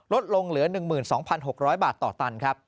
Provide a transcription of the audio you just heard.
ลดลงเหลือ๑๒๖๐๐บาทต่อตันครับ